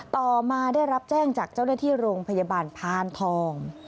ต่อมาได้รับแจ้งจากเจ้าหน้าที่โรงพยาบาลพานทอง